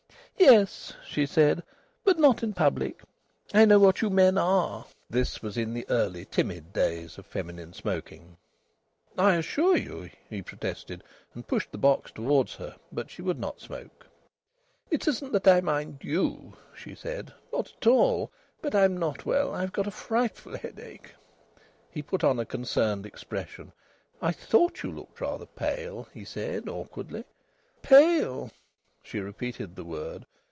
"Yes," she said, "but not in public. I know what you men are." This was in the early, timid days of feminine smoking. "I assure you!" he protested, and pushed the box towards her. But she would not smoke. "It isn't that I mind you," she said, "not at all. But I'm not well. I've got a frightful headache." He put on a concerned expression. "I thought you looked rather pale," he said awkwardly. "Pale!" she repeated the word.